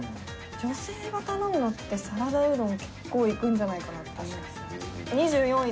女性が頼むのってサラダうどん結構いくんじゃないんかなと思うんですけど。